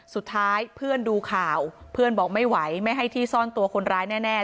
สุดท้ายเพื่อนดูข่าวเพื่อนบอกไม่ไหวไม่ให้ที่ซ่อนตัวคนร้ายแน่